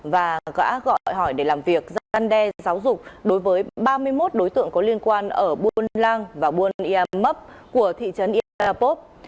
và gã gọi hỏi để làm việc gian đe giáo dục đối với ba mươi một đối tượng có liên quan ở buôn lang và buôn ia mấp của thị trấn iapop